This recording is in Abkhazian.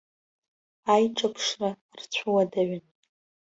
Аиҿаԥшра рцәуадаҩын.